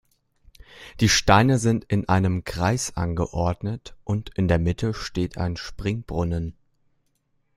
Die Steine sind in einem Kreis angeordnet und in der Mitte steht ein Springbrunnen.